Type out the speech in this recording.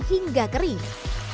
lalu diaduk rata